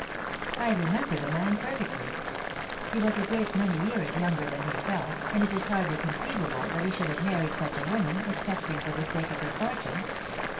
I remember the man perfectly. He was a great many years younger than herself, and it is hardly "con ceivable that he should have married such a woman, excepting for the sake of her fortune."